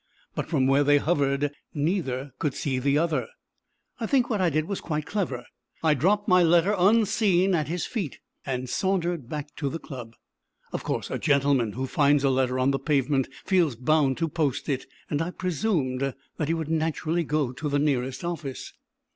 But from where they hovered neither could see the other. I think what I did was quite clever. I dropped my letter unseen at his feet, and sauntered back to the club. Of course, a gentleman who finds a letter on the pavement feels bound to post it, and I presumed that he would naturally go to the nearest office.